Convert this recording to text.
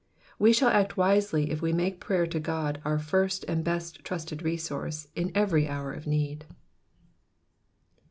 We shall act wisely if we make prayer to God our first and best trusted resource in every hour of need.